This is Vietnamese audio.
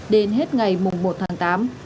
đến hết ngày một tháng tám